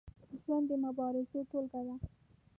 ژوند د مبارزو ټولګه ده.